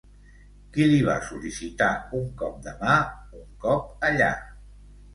Qui li va sol·licitar un cop de mà, un cop allà?